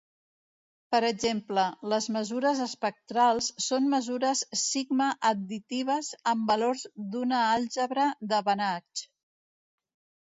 Per exemple, les mesures espectrals són mesure sigma-additives amb valors d'una àlgebra de Banach.